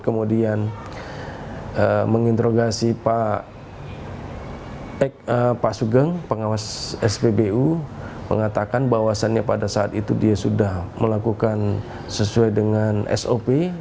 kemudian menginterogasi pak sugeng pengawas spbu mengatakan bahwasannya pada saat itu dia sudah melakukan sesuai dengan sop